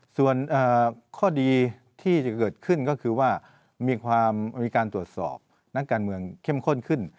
ส่วนข้อดีที่จะเกิดขึ้นก็คือว่ามีการตรวจสอบนักการเมืองเข้มข้นขึ้น